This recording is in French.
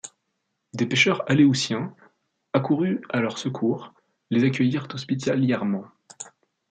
Des pêcheurs aléoutiens, accourus à leur secours, les accueillirent hospitalièrement.